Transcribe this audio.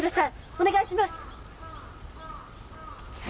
お願いします！